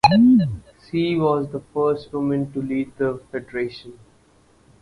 She was the first woman to lead the federation.